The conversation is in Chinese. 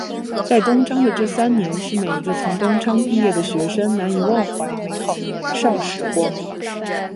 在东昌的这三年是每一个从东昌毕业的学生难以忘怀美好的年少时光。